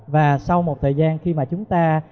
và sau một thời gian khi mà chúng ta